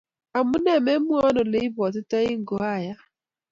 amune me mwaiwa ole ibwatindai ko ayak